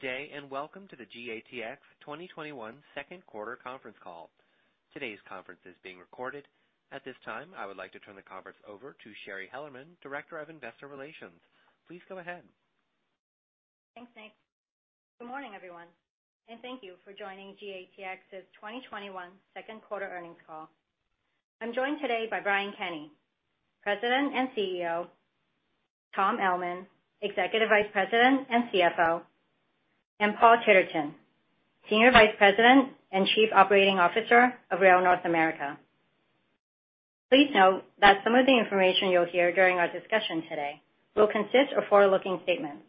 Good day, and welcome to the GATX 2021 second quarter conference call. Today's conference is being recorded. At this time, I would like to turn the conference over to Shari Hellerman, Director of Investor Relations. Please go ahead. Thanks, Nick. Good morning, everyone, and thank you for joining GATX's 2021 second quarter earnings call. I'm joined today by Brian Kenney, President and CEO, Tom Ellman, Executive Vice President and CFO, and Paul Titterton, Senior Vice President and Chief Operating Officer of Rail North America. Please note that some of the information you'll hear during our discussion today will consist of forward-looking statements.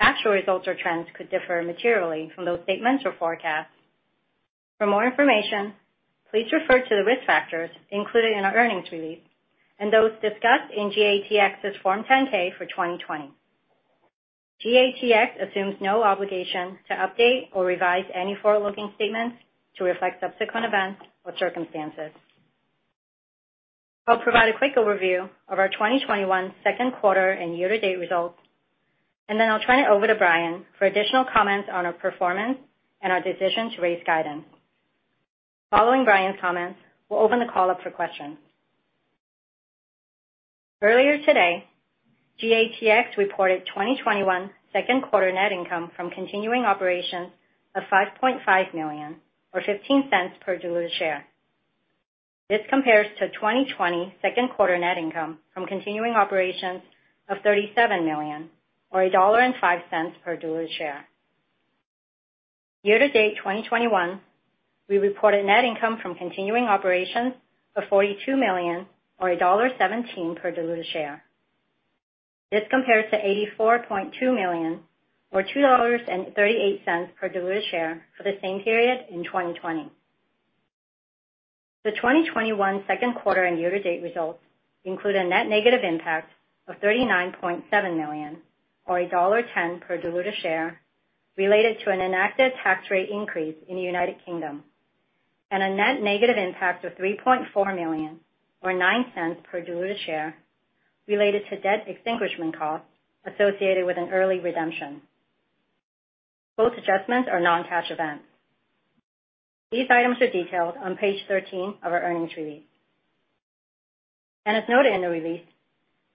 Actual results or trends could differ materially from those statements or forecasts. For more information, please refer to the risk factors included in our earnings release and those discussed in GATX's Form 10-K for 2020. GATX assumes no obligation to update or revise any forward-looking statements to reflect subsequent events or circumstances. I'll provide a quick overview of our 2021 second quarter and year-to-date results, and then I'll turn it over to Brian for additional comments on our performance and our decision to raise guidance. Following Brian's comments, we'll open the call up for questions. Earlier today, GATX reported 2021 second quarter net income from continuing operations of $5.5 million or $0.15 per diluted share. This compares to 2020 second quarter net income from continuing operations of $37 million or $1.05 per diluted share. Year-to-date 2021, we reported net income from continuing operations of $42 million or $1.17 per diluted share. This compares to $84.2 million or $2.38 per diluted share for the same period in 2020. The 2021 second quarter and year-to-date results include a net negative impact of $39.7 million or $1.10 per diluted share related to an enacted tax rate increase in the U.K., and a net negative impact of $3.4 million or $0.09 per diluted share related to debt extinguishment costs associated with an early redemption. Both adjustments are non-cash events. These items are detailed on page 13 of our earnings release. As noted in the release,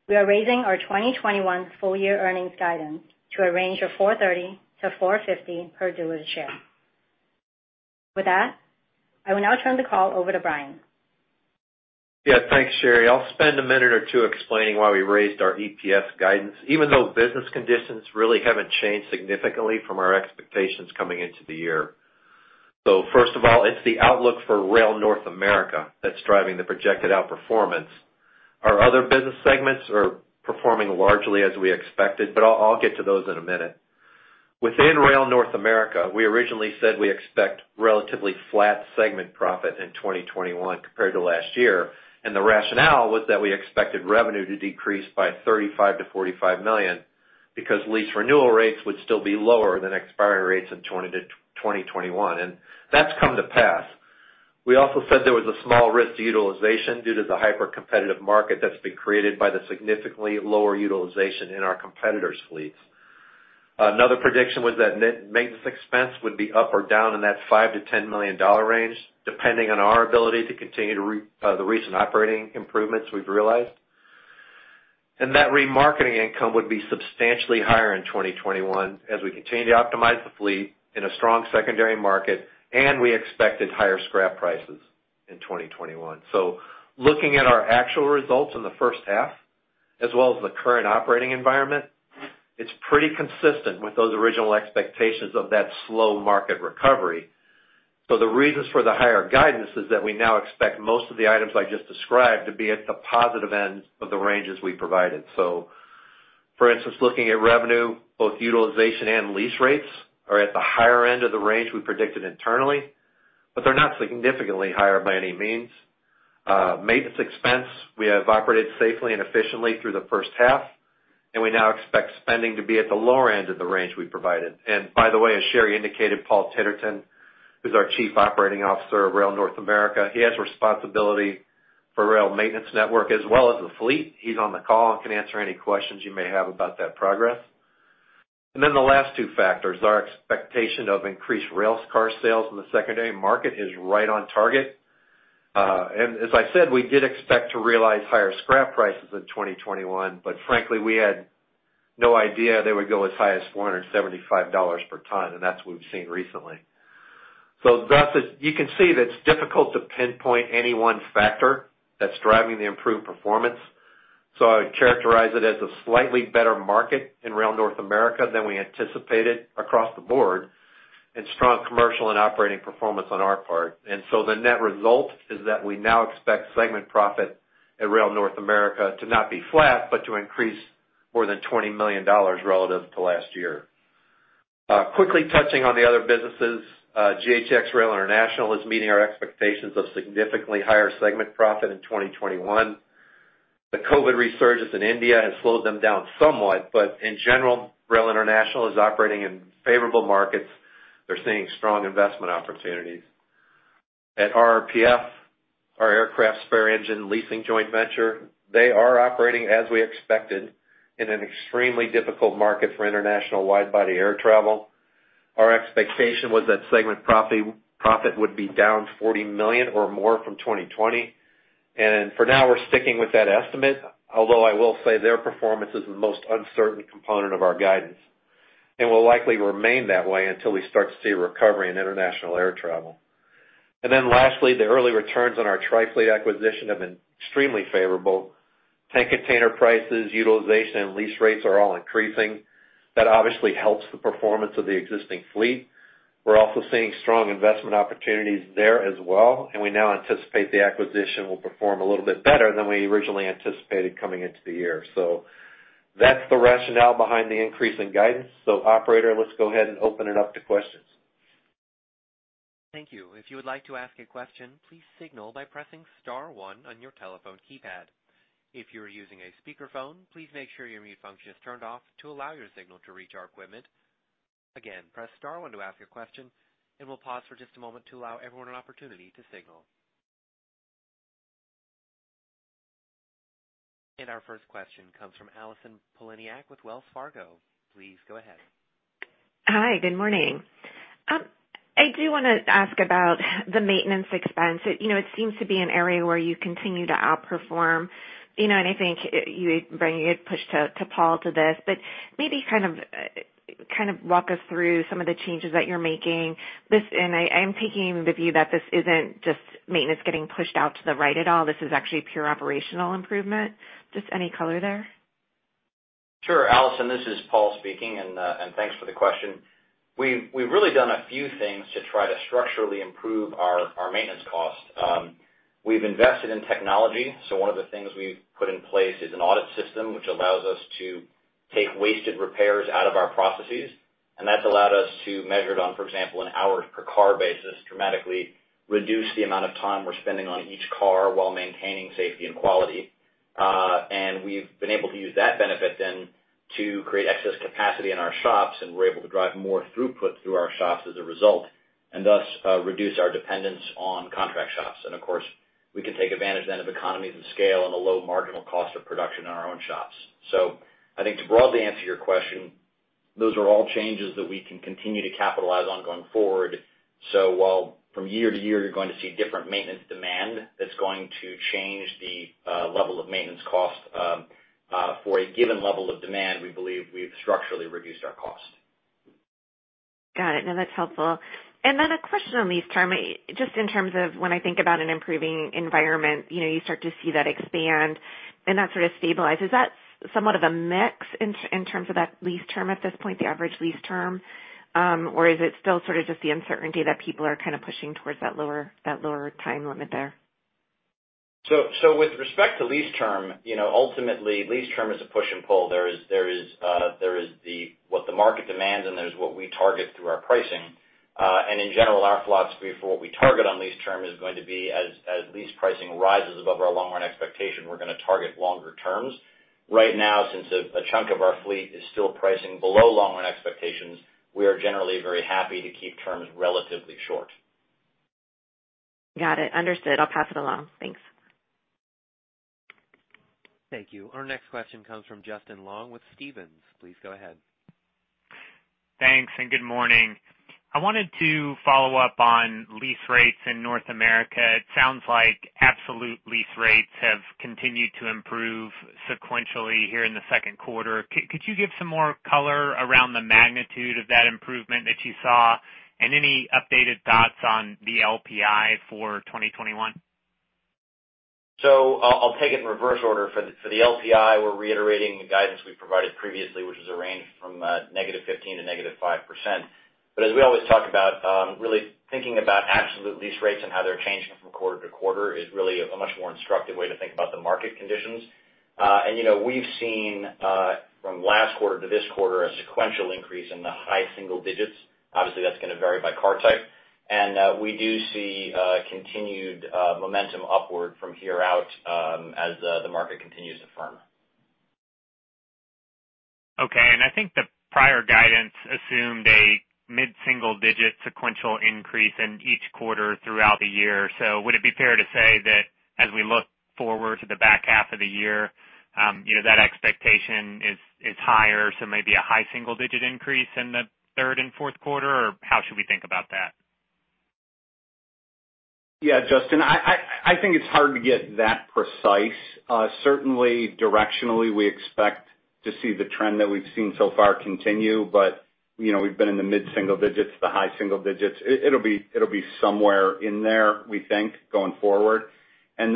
we are raising our 2021 full-year earnings guidance to a range of $4.30-$4.50 per diluted share. With that, I will now turn the call over to Brian. Thanks, Shari. I'll spend a minute or two explaining why we raised our EPS guidance, even though business conditions really haven't changed significantly from our expectations coming into the year. First of all, it's the outlook for Rail North America that's driving the projected outperformance. Our other business segments are performing largely as we expected, I'll get to those in a minute. Within Rail North America, we originally said we expect relatively flat segment profit in 2021 compared to last year, the rationale was that we expected revenue to decrease by $35 million-$45 million because lease renewal rates would still be lower than expiring rates in 2021, and that's come to pass. We also said there was a small risk to utilization due to the hyper-competitive market that's been created by the significantly lower utilization in our competitors' fleets. Another prediction was that maintenance expense would be up or down in that $5 million-$10 million range, depending on our ability to continue the recent operating improvements we've realized. That remarketing income would be substantially higher in 2021 as we continue to optimize the fleet in a strong secondary market, and we expected higher scrap prices in 2021. Looking at our actual results in the first half as well as the current operating environment, it's pretty consistent with those original expectations of that slow market recovery. The reasons for the higher guidance is that we now expect most of the items I just described to be at the positive end of the ranges we provided. For instance, looking at revenue, both utilization and lease rates are at the higher end of the range we predicted internally, but they're not significantly higher by any means. Maintenance expense, we have operated safely and efficiently through the first half. We now expect spending to be at the lower end of the range we provided. By the way, as Shari Hellerman indicated, Paul Titterton, who's our Chief Operating Officer of Rail North America, he has responsibility for rail maintenance network as well as the fleet. He's on the call and can answer any questions you may have about that progress. The last two factors, our expectation of increased railcar sales in the secondary market is right on target. As I said, we did expect to realize higher scrap prices in 2021. Frankly, we had no idea they would go as high as $475 per ton. That's what we've seen recently. Thus, you can see that it's difficult to pinpoint any 1 factor that's driving the improved performance. I would characterize it as a slightly better market in Rail North America than we anticipated across the board and strong commercial and operating performance on our part. The net result is that we now expect segment profit at Rail North America to not be flat, but to increase more than $20 million relative to last year. Quickly touching on the other businesses, GATX Rail International is meeting our expectations of significantly higher segment profit in 2021. The COVID resurgence in India has slowed them down somewhat, but in general, Rail International is operating in favorable markets. They're seeing strong investment opportunities. At RRPF, our aircraft spare engine leasing joint venture, they are operating as we expected in an extremely difficult market for international wide-body air travel. Our expectation was that segment profit would be down to $40 million or more from 2020. For now, we're sticking with that estimate, although I will say their performance is the most uncertain component of our guidance, and will likely remain that way until we start to see a recovery in international air travel. Lastly, the early returns on our Trifleet acquisition have been extremely favorable. Tank container prices, utilization, and lease rates are all increasing. That obviously helps the performance of the existing fleet. We're also seeing strong investment opportunities there as well. We now anticipate the acquisition will perform a little bit better than we originally anticipated coming into the year. That's the rationale behind the increase in guidance. Operator, let's go ahead and open it up to questions. Our first question comes from Allison Poliniak with Wells Fargo. Please go ahead. Hi. Good morning. I do want to ask about the maintenance expense. It seems to be an area where you continue to outperform, and I think you would push to Paul to this, but maybe kind of walk us through some of the changes that you're making. I am taking the view that this isn't just maintenance getting pushed out to the right at all. This is actually pure operational improvement. Just any color there? Sure, Allison, this is Paul speaking. Thanks for the question. We've really done a few things to try to structurally improve our maintenance cost. We've invested in technology. One of the things we've put in place is an audit system, which allows us to take wasted repairs out of our processes. That's allowed us to measure it on, for example, an hours per car basis, dramatically reduce the amount of time we're spending on each car while maintaining safety and quality. We've been able to use that benefit then to create excess capacity in our shops, and we're able to drive more throughput through our shops as a result, and thus, reduce our dependence on contract shops. Of course, we can take advantage then of economies of scale and the low marginal cost of production in our own shops. I think to broadly answer your question, those are all changes that we can continue to capitalize on going forward. While from year to year, you're going to see different maintenance demand that's going to change the level of maintenance cost. For a given level of demand, we believe we've structurally reduced our cost. Got it. No, that's helpful. A question on lease term, just in terms of when I think about an improving environment, you start to see that expand and that sort of stabilize. Is that somewhat of a mix in terms of that lease term at this point, the average lease term? Or is it still sort of just the uncertainty that people are kind of pushing towards that lower time limit there? With respect to lease term, ultimately lease term is a push and pull. There is what the market demands, and there's what we target through our pricing. In general, our philosophy for what we target on lease term is going to be as lease pricing rises above our long-run expectation, we're going to target longer terms. Right now, since a chunk of our fleet is still pricing below long-run expectations, we are generally very happy to keep terms relatively short. Got it. Understood. I'll pass it along. Thanks. Thank you. Our next question comes from Justin Long with Stephens. Please go ahead. Thanks. Good morning. I wanted to follow up on lease rates in North America. It sounds like absolute lease rates have continued to improve sequentially here in the second quarter. Could you give some more color around the magnitude of that improvement that you saw and any updated thoughts on the LPI for 2021? I'll take it in reverse order. For the LPI, we're reiterating the guidance we provided previously, which is a range from negative 15% to negative 5%. As we always talk about, really thinking about absolute lease rates and how they're changing from quarter to quarter is really a much more instructive way to think about the market conditions. We've seen, from last quarter to this quarter, a sequential increase in the high single digits. Obviously, that's going to vary by car type. We do see continued momentum upward from here out as the market continues to firm. Okay. I think the prior guidance assumed a mid-single-digit sequential increase in each quarter throughout the year. Would it be fair to say that as we look forward to the back half of the year, that expectation is higher, maybe a high-single-digit increase in the third and fourth quarter, or how should we think about that? Yeah, Justin. I think it's hard to get that precise. Certainly directionally, we expect to see the trend that we've seen so far continue, but we've been in the mid-single-digits, the high-single-digits. It'll be somewhere in there, we think, going forward. As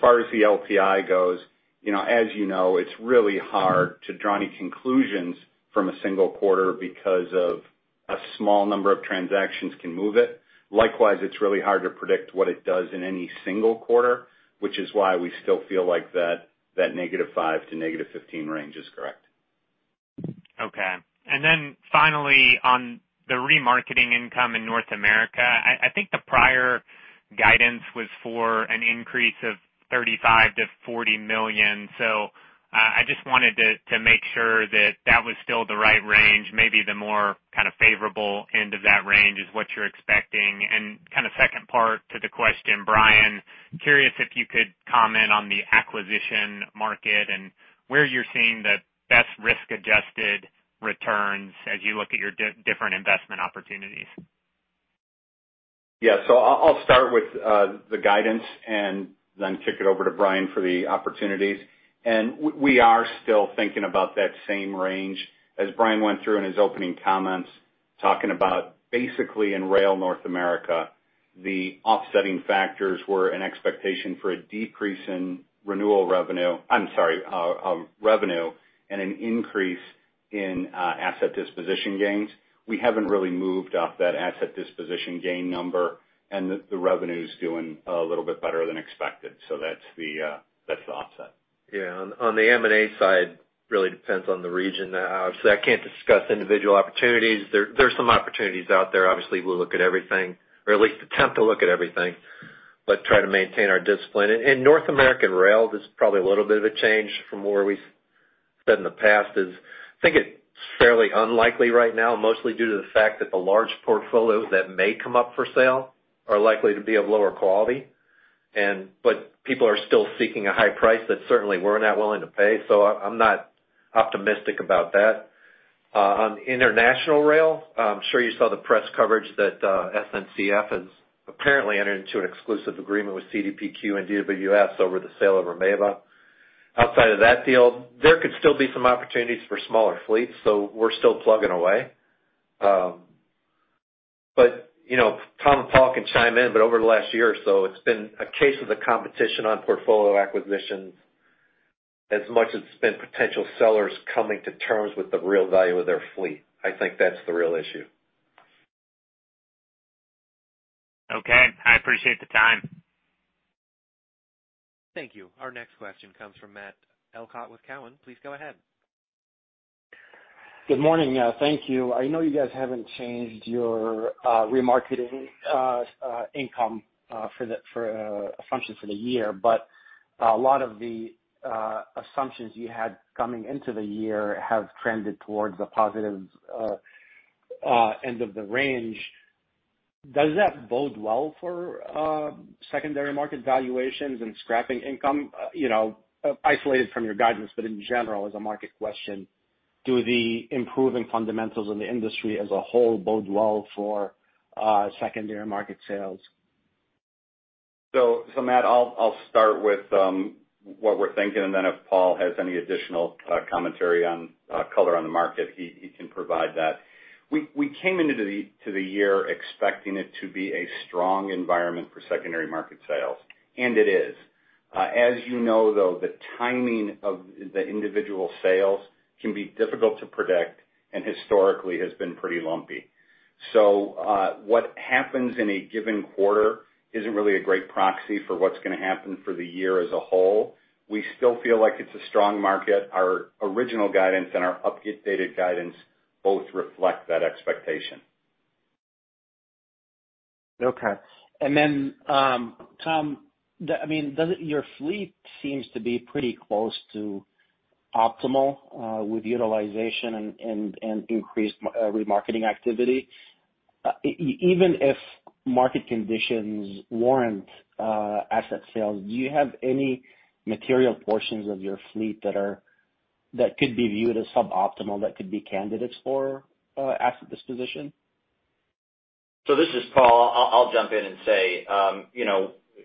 far as the LPI goes, as you know, it's really hard to draw any conclusions from a single quarter because of a small number of transactions can move it. Likewise, it's really hard to predict what it does in any single quarter, which is why we still feel like that -5 to -15 range is correct. Finally, on the remarketing income in North America, I think the prior guidance was for an increase of $35 million-$40 million. I just wanted to make sure that that was still the right range. Maybe the more kind of favorable end of that range is what you're expecting. Kind of second part to the question, Brian, curious if you could comment on the acquisition market and where you're seeing the best risk-adjusted returns as you look at your different investment opportunities. I'll start with the guidance and then kick it over to Brian for the opportunities. We are still thinking about that same range. As Brian went through in his opening comments, talking about basically in Rail North America, the offsetting factors were an expectation for a decrease in revenue and an increase in asset disposition gains. We haven't really moved off that asset disposition gain number, and the revenue's doing a little bit better than expected, so that's the offset. Yeah. On the M&A side, really depends on the region. Obviously, I can't discuss individual opportunities. There's some opportunities out there. Obviously, we'll look at everything, or at least attempt to look at everything, but try to maintain our discipline. In North American Rail, there's probably a little bit of a change from where we've said in the past is, I think it's fairly unlikely right now, mostly due to the fact that the large portfolio that may come up for sale are likely to be of lower quality, but people are still seeking a high price that certainly we're not willing to pay. I'm not optimistic about that. On international rail, I'm sure you saw the press coverage that SNCF has apparently entered into an exclusive agreement with CDPQ and DWS over the sale of Ermewa. Outside of that deal, there could still be some opportunities for smaller fleets, so we're still plugging away. Tom and Paul can chime in, but over the last year or so, it's been a case of the competition on portfolio acquisitions as much as it's been potential sellers coming to terms with the real value of their fleet. I think that's the real issue. Okay. I appreciate the time. Thank you. Our next question comes from Matt Elkott with Cowen. Please go ahead. Good morning. Thank you. I know you guys haven't changed your remarketing income assumption for the year, but a lot of the assumptions you had coming into the year have trended towards the positive end of the range. Does that bode well for secondary market valuations and scrapping income? Isolated from your guidance, but in general, as a market question, do the improving fundamentals in the industry as a whole bode well for secondary market sales? Matt, I'll start with what we're thinking, and then if Paul has any additional commentary on color on the market, he can provide that. We came into the year expecting it to be a strong environment for secondary market sales. It is. As you know, though, the timing of the individual sales can be difficult to predict and historically has been pretty lumpy. What happens in a given quarter isn't really a great proxy for what's going to happen for the year as a whole. We still feel like it's a strong market. Our original guidance and our updated guidance both reflect that expectation. Okay. Tom, your fleet seems to be pretty close to optimal with utilization and increased remarketing activity. Even if market conditions warrant asset sales, do you have any material portions of your fleet that could be viewed as suboptimal, that could be candidates for asset disposition? This is Paul. I'll jump in and say,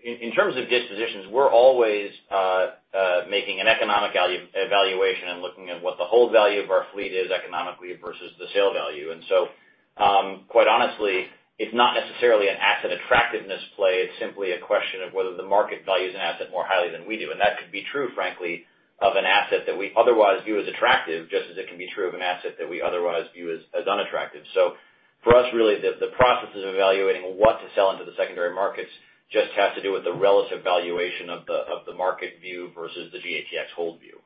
in terms of dispositions, we're always making an economic evaluation and looking at what the whole value of our fleet is economically versus the sale value. Quite honestly, it's not necessarily an asset attractiveness play. It's simply a question of whether the market values an asset more highly than we do. That could be true, frankly, of an asset that we otherwise view as attractive, just as it can be true of an asset that we otherwise view as unattractive. For us, really, the processes of evaluating what to sell into the secondary markets just has to do with the relative valuation of the market view versus the GATX hold view.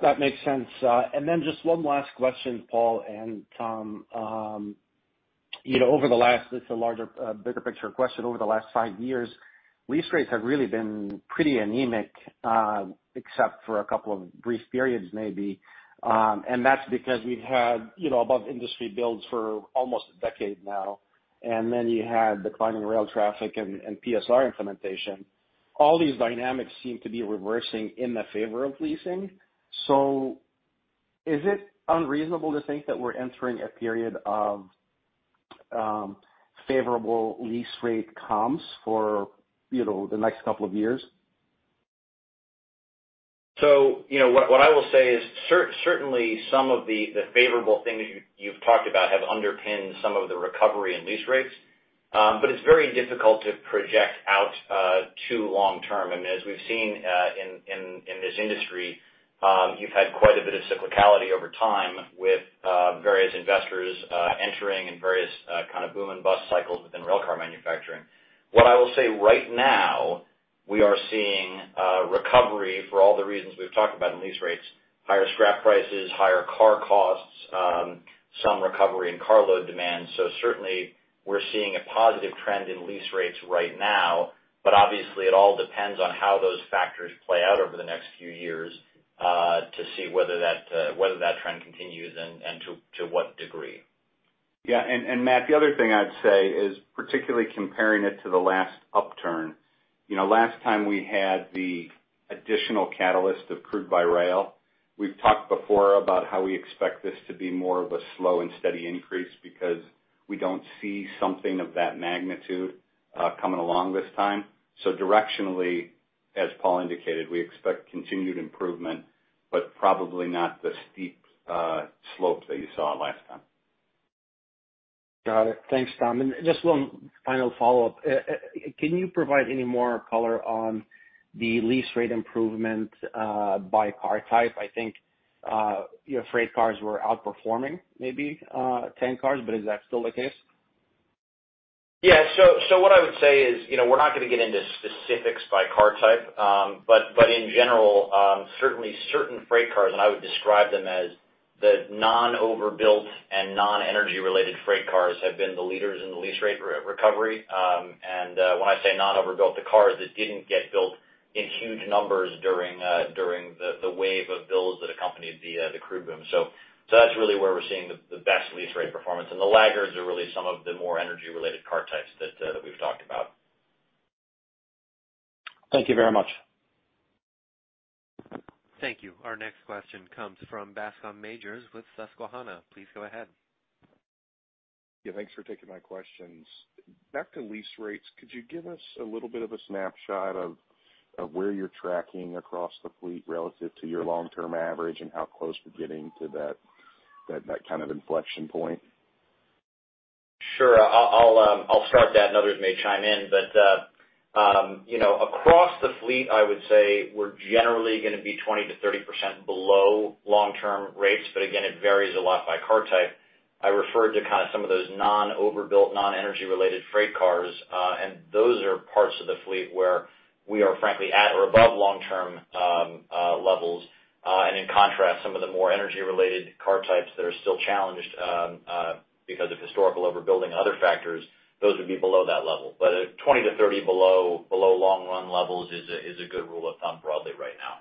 That makes sense. Just one last question, Paul and Tom. This is a bigger picture question. Over the last five years, lease rates have really been pretty anemic, except for two brief periods maybe. That's because we've had above industry builds for almost a decade now. Then you had declining rail traffic and PSR implementation. All these dynamics seem to be reversing in the favor of leasing. Is it unreasonable to think that we're entering a period of favorable lease rate comps for the next two years? What I will say is certainly some of the favorable things you've talked about have underpinned some of the recovery in lease rates. It's very difficult to project out too long-term. As we've seen in this industry, you've had quite a bit of cyclicality over time with various investors entering and various kind of boom and bust cycles within railcar manufacturing. What I will say right now, we are seeing a recovery for all the reasons we've talked about in lease rates, higher scrap prices, higher car costs, some recovery in car load demand. Certainly, we're seeing a positive trend in lease rates right now. Obviously, it all depends on how those factors play out over the next few years, to see whether that trend continues and to what degree. Yeah. Matt, the other thing I'd say is particularly comparing it to the last upturn. Last time we had the additional catalyst of crude by rail, we've talked before about how we expect this to be more of a slow and steady increase because we don't see something of that magnitude coming along this time. Directionally, as Paul indicated, we expect continued improvement, but probably not the steep slope that you saw last time. Got it. Thanks, Tom. Just one final follow-up. Can you provide any more color on the lease rate improvement, by car type? I think your freight cars were outperforming maybe tank cars, but is that still the case? What I would say is we're not going to get into specifics by car type. In general, certainly certain freight cars, and I would describe them as the non-overbuilt and non-energy related freight cars, have been the leaders in the lease rate recovery. When I say non-overbuilt, the cars that didn't get built in huge numbers during the wave of builds that accompanied the crude boom. That's really where we're seeing the best lease rate performance. The laggards are really some of the more energy-related car types that we've talked about. Thank you very much. Thank you. Our next question comes from Bascome Majors with Susquehanna. Please go ahead. Yeah, thanks for taking my questions. Back to lease rates, could you give us a little bit of a snapshot of where you're tracking across the fleet relative to your long-term average, and how close we're getting to that kind of inflection point? Sure. I'll start that, and others may chime in. Across the fleet, I would say we're generally going to be 20%-30% below long-term rates. Again, it varies a lot by car type. I referred to kind of some of those non-overbuilt, non-energy related freight cars, and those are parts of the fleet where we are frankly at or above long-term levels. In contrast, some of the more energy-related car types that are still challenged, because of historical overbuilding and other factors, those would be below that level. At 20-30 below long run levels is a good rule of thumb broadly right now.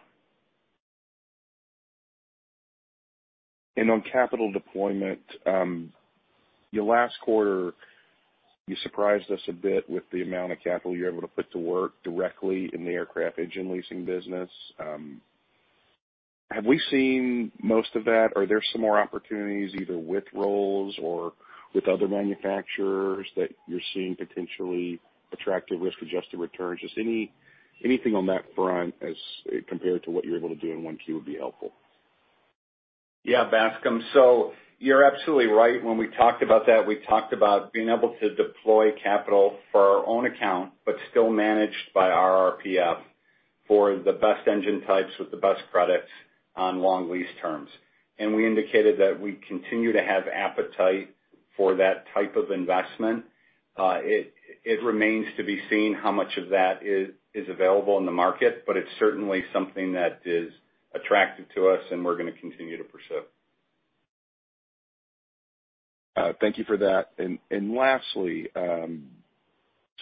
On capital deployment, your last quarter, you surprised us a bit with the amount of capital you're able to put to work directly in the aircraft engine leasing business. Have we seen most of that? Are there some more opportunities either with Rolls-Royce or with other manufacturers that you're seeing potentially attractive risk-adjusted returns? Just anything on that front as compared to what you're able to do in 1Q would be helpful. Bascome, you're absolutely right. When we talked about that, we talked about being able to deploy capital for our own account, but still managed by RRPF for the best engine types with the best credits on long lease terms. We indicated that we continue to have appetite for that type of investment. It remains to be seen how much of that is available in the market, but it's certainly something that is attractive to us and we're going to continue to pursue. Thank you for that. Lastly,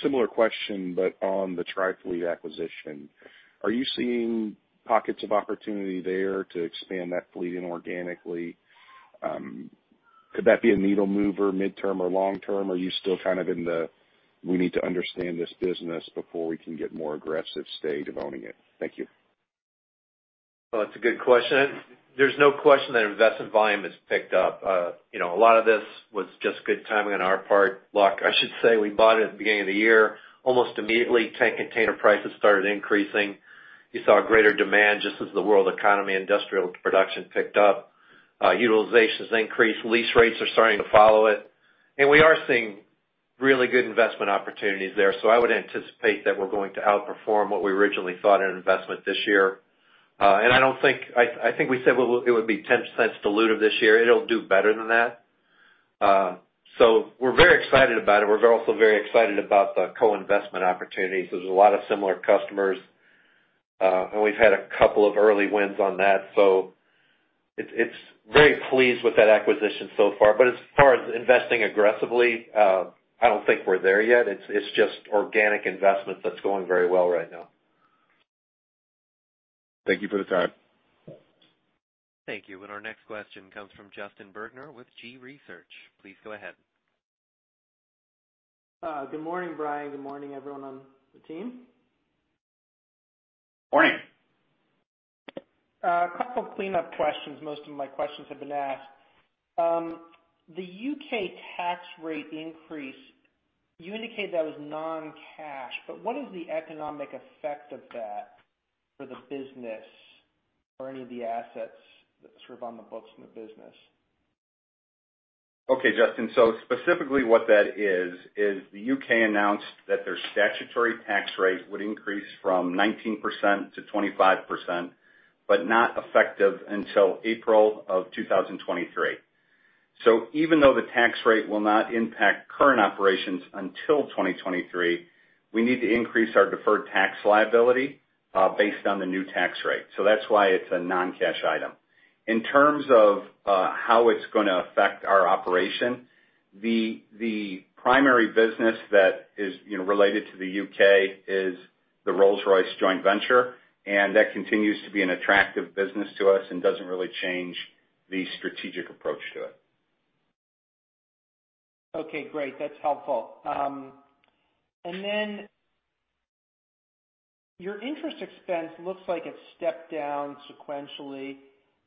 similar question, but on the Trifleet acquisition. Are you seeing pockets of opportunity there to expand that fleet inorganically? Could that be a needle mover, midterm or long-term? Or are you still kind of in the we-need-to-understand-this-business-before-we-can-get-more-aggressive stage of owning it? Thank you. Well, it's a good question. There's no question that investment volume has picked up. A lot of this was just good timing on our part, luck. I should say we bought it at the beginning of the year. Almost immediately, tank container prices started increasing. You saw greater demand just as the world economy industrial production picked up. Utilization's increased. Lease rates are starting to follow it. We are seeing really good investment opportunities there. I would anticipate that we're going to outperform what we originally thought in investment this year. I think we said it would be $0.10 dilutive this year. It'll do better than that. We're very excited about it. We're also very excited about the co-investment opportunities. There's a lot of similar customers, and we've had a couple of early wins on that. It's very pleased with that acquisition so far. As far as investing aggressively, I don't think we're there yet. It's just organic investment that's going very well right now. Thank you for the time. Thank you. Our next question comes from Justin Bergner with G-Research. Please go ahead. Good morning, Brian. Good morning, everyone on the team. Morning. A couple of cleanup questions. Most of my questions have been asked. The U.K. tax rate increase, you indicated that was non-cash, but what is the economic effect of that for the business or any of the assets that sort of on the books in the business? Okay, Justin. Specifically what that is the U.K. announced that their statutory tax rate would increase from 19%-25%, but not effective until April of 2023. Even though the tax rate will not impact current operations until 2023, we need to increase our deferred tax liability, based on the new tax rate. That's why it's a non-cash item. In terms of how it's going to affect our operation, the primary business that is related to the U.K. is the Rolls-Royce joint venture, and that continues to be an attractive business to us and doesn't really change the strategic approach to it. Okay, great. That's helpful. Your interest expense looks like it stepped down sequentially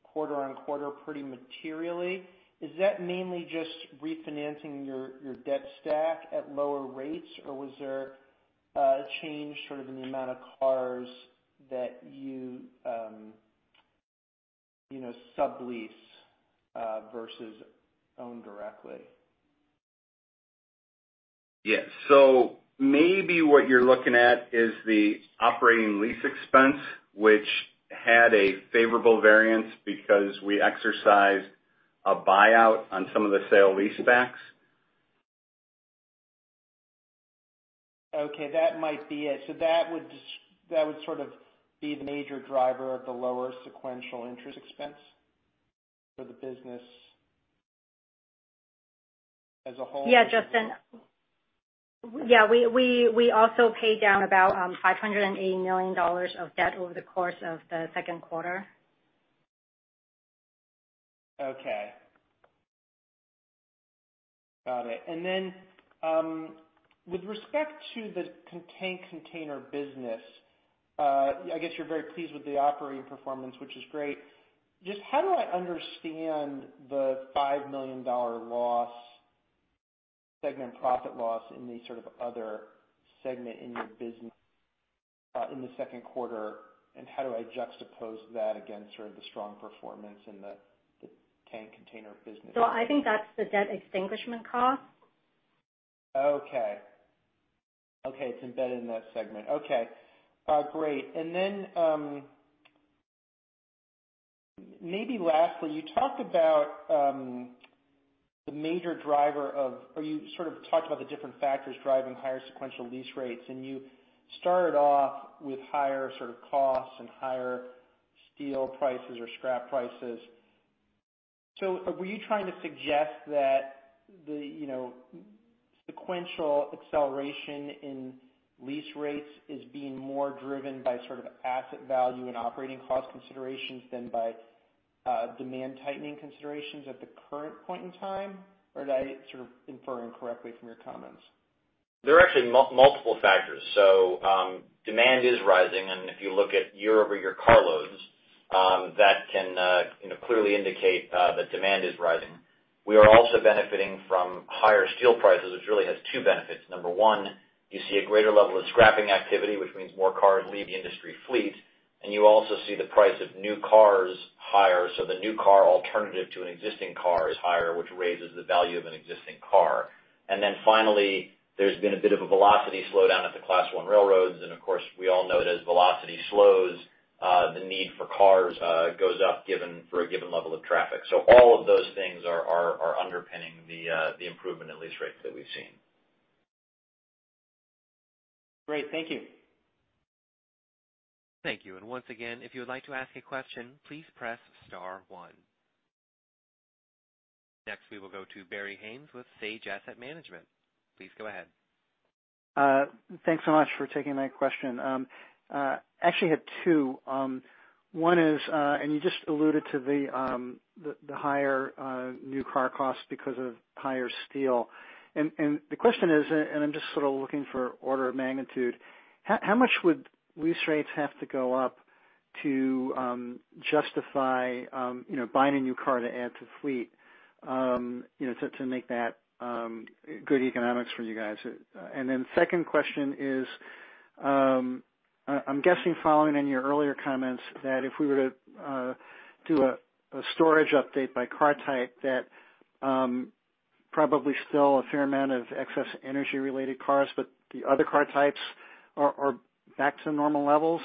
quarter-on-quarter pretty materially. Is that mainly just refinancing your debt stack at lower rates, or was there a change in the amount of cars that you sub-lease versus own directly? Yeah. Maybe what you're looking at is the operating lease expense, which had a favorable variance because we exercised a buyout on some of the sale lease backs. Okay. That might be it. That would be the major driver of the lower sequential interest expense for the business as a whole. Yeah, Justin. We also paid down about $580 million of debt over the course of the second quarter. Okay. Got it. With respect to the tank container business, I guess you're very pleased with the operating performance, which is great. Just how do I understand the $5 million segment profit loss in the other segment in your business in the second quarter, and how do I juxtapose that against the strong performance in the tank container business? I think that's the debt extinguishment cost. Okay. It's embedded in that segment. Okay, great. Maybe lastly, you talked about the different factors driving higher sequential lease rates, and you started off with higher costs and higher steel prices or scrap prices. Were you trying to suggest that the sequential acceleration in lease rates is being more driven by asset value and operating cost considerations than by demand tightening considerations at the current point in time, or did I infer incorrectly from your comments? There are actually multiple factors. Demand is rising, and if you look at year-over-year carloads, that can clearly indicate that demand is rising. We are also benefiting from higher steel prices, which really has two benefits. Number 1, you see a greater level of scrapping activity, which means more cars leave the industry fleet, and you also see the price of new cars higher. The new car alternative to an existing car is higher, which raises the value of an existing car. Then finally, there's been a bit of a velocity slowdown at the Class I railroads, and of course, we all know that as velocity slows, the need for cars goes up for a given level of traffic. All of those things are underpinning the improvement in lease rates that we've seen. Great. Thank you. Thank you. Once again, if you would like to ask a question, please press star one. Next, we will go to Barry Haimes with Sage Asset Management. Please go ahead. Thanks so much for taking my question. Actually had 2. One is, you just alluded to the higher new car costs because of higher steel. The question is, I'm just looking for order of magnitude, how much would lease rates have to go up to justify buying a new car to add to fleet to make that good economics for you guys? 2nd question is, I'm guessing following in your earlier comments that if we were to do a storage update by car type, that probably still a fair amount of excess energy related cars, but the other car types are back to normal levels.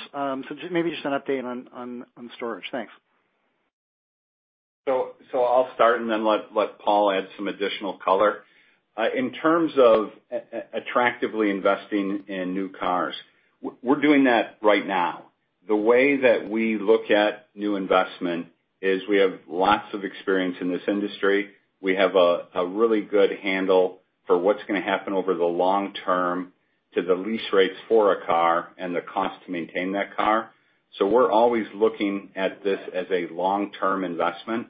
Maybe just an update on storage. Thanks. I'll start and then let Paul add some additional color. In terms of attractively investing in new railcars, we're doing that right now. The way that we look at new investment is we have lots of experience in this industry. We have a really good handle for what's going to happen over the long term to the lease rates for a railcar and the cost to maintain that railcar. We're always looking at this as a long-term investment.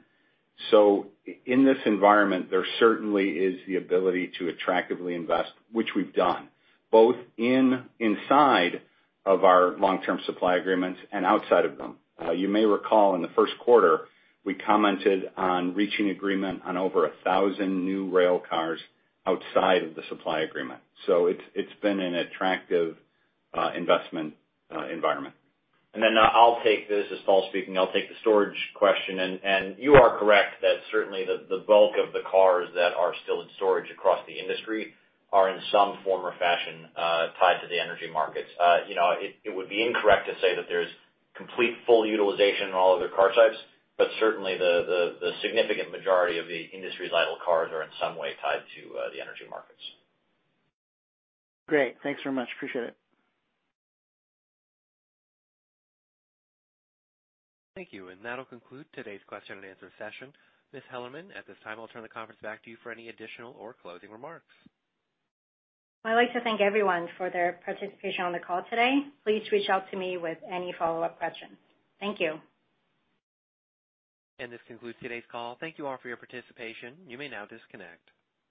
In this environment, there certainly is the ability to attractively invest, which we've done, both inside of our long-term supply agreements and outside of them. You may recall in the first quarter, we commented on reaching agreement on over 1,000 new railcars outside of the supply agreement. It's been an attractive investment environment. I'll take this. This is Paul speaking. I'll take the storage question. You are correct that certainly the bulk of the cars that are still in storage across the industry are in some form or fashion tied to the energy markets. It would be incorrect to say that there's complete full utilization in all other car types, but certainly the significant majority of the industry's light cars are in some way tied to the energy markets. Great. Thanks very much. Appreciate it. Thank you. That'll conclude today's question-and-answer session. Ms. Hellerman, at this time, I'll turn the conference back to you for any additional or closing remarks. I'd like to thank everyone for their participation on the call today. Please reach out to me with any follow-up questions. Thank you. This concludes today's call. Thank you all for your participation. You may now disconnect.